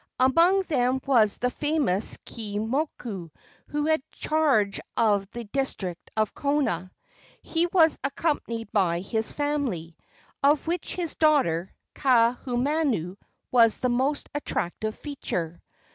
Among them was the famous Keeaumoku, who had charge of the district of Kona. He was accompanied by his family, of which his daughter, Kaahumanu, was the most attractive feature.